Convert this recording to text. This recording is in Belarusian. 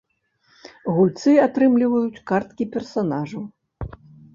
Гульцы атрымліваюць карткі персанажаў.